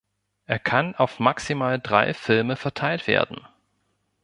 Er kann auf maximal drei Filme verteilt werden.